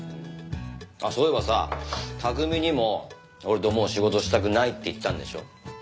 そういえばさ拓海にも俺ともう仕事したくないって言ったんでしょ？